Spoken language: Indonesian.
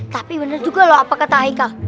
tapi bener juga lho apa kata haikal